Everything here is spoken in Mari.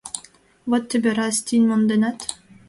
— Вот тебе раз, тинь монденат?